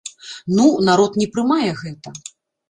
Ну, народ не прымае гэта.